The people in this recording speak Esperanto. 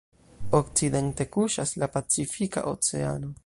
Okcidente kuŝas la Pacifika Oceano.